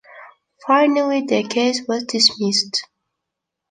Finally the case was dismissed.